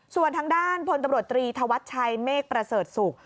ส่วนทางด้านพตศเมฆประเสริฐสุข